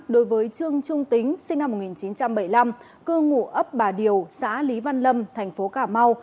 đối với trương trung tính sinh năm một nghìn chín trăm bảy mươi năm cư ngụ ấp bà điều xã lý văn lâm thành phố cà mau